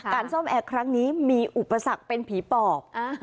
ซ่อมแอร์ครั้งนี้มีอุปสรรคเป็นผีปอบ